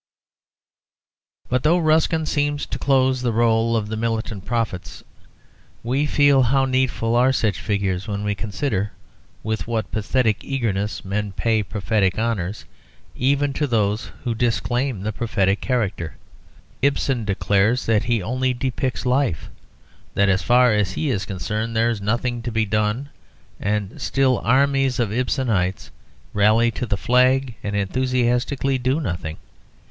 But though Ruskin seems to close the roll of the militant prophets, we feel how needful are such figures when we consider with what pathetic eagerness men pay prophetic honours even to those who disclaim the prophetic character. Ibsen declares that he only depicts life, that as far as he is concerned there is nothing to be done, and still armies of "Ibsenites" rally to the flag and enthusiastically do nothing.